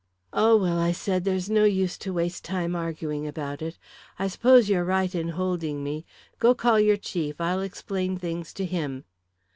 "Oh, well," I said, "there's no use to waste time arguing about it. I suppose you're right in holding me. Go call your chief. I'll explain things to him."